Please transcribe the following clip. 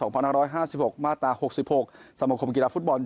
๒๕๕๖มาตรา๖๖สมคมกีฬาฟุตบอล